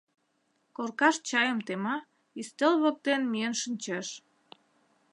Коркаш чайым тема, ӱстел воктен миен шинчеш.